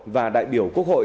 và đại biểu quốc hội